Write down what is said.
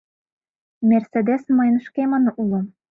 «Мерседес» мыйын шкемын уло.